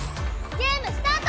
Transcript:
ゲームスタート！